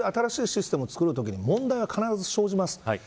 こういう新しいシステムを作るとき、問題は必ず生じます。